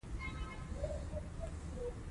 اوبه رڼا او شفافه وي.